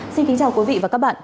xin kính chào quý vị và các bạn